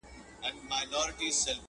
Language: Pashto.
چي مي نه ګرځي سرتوري په کوڅو کي د پردیو!.